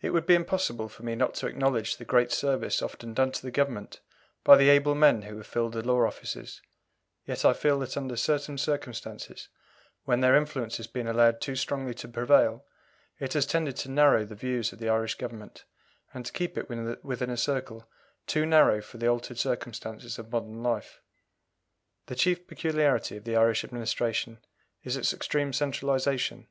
It would be impossible for me not to acknowledge the great service often done to the Government by the able men who have filled the law offices, yet I feel that under certain circumstances, when their influence has been allowed too strongly to prevail, it has tended to narrow the views of the Irish Government, and to keep it within a circle too narrow for the altered circumstances of modern life. The chief peculiarity of the Irish Administration is its extreme centralization.